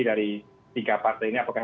dari tiga partai ini apakah